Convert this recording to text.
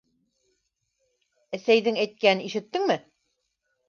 Әсәйҙең әйткәнен ишеттеңме?